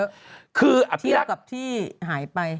ไม่ได้เยอะที่เอากับที่หายไป